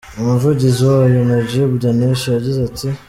Umuvugizi wayo, Najib Danish, yagize ati:.